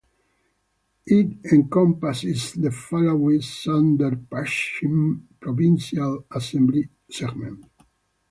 It encompasses the following Sudurpashchim Provincial Assembly segment